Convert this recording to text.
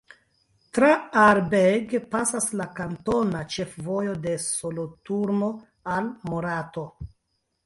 Tra Aarberg pasas la kantona ĉefvojo de Soloturno al Morato.